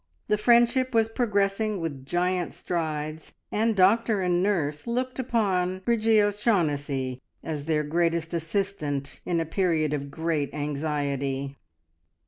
The friendship was progressing with giant strides, and doctor and nurse looked upon Bridgie O'Shaughnessy as their greatest assistant in a period of great anxiety.